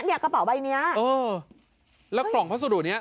กระเป๋าใบเนี้ยเออแล้วกล่องพัสดุเนี้ย